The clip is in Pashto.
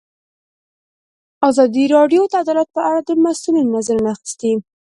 ازادي راډیو د عدالت په اړه د مسؤلینو نظرونه اخیستي.